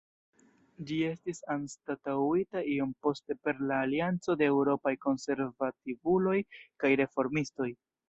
Ĝi estis anstataŭita iom poste per la Alianco de Eŭropaj Konservativuloj kaj Reformistoj.